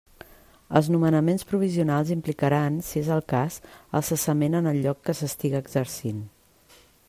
Els nomenaments provisionals implicaran, si és el cas, el cessament en el lloc que s'estiga exercint.